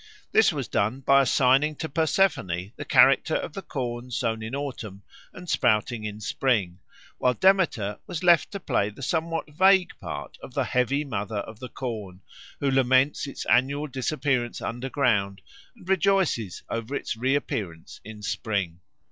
This was done by assigning to Persephone the character of the corn sown in autumn and sprouting in spring, while Demeter was left to play the somewhat vague part of the heavy mother of the corn, who laments its annual disappearance underground, and rejoices over its reappearance in spring.